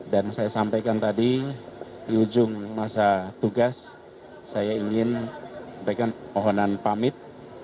dan saya sampaikan tadi di ujung masa tugas saya ingin mereka mohonan pamit